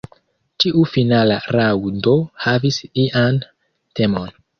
Ĉiu finala raŭndo havis ian temon.